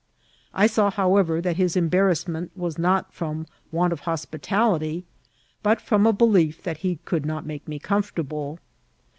1 saw, however, that his embarrassment was not from want of hospital ity, but from a belief that he could not make me com fortable.